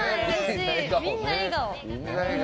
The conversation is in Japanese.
みんな笑顔。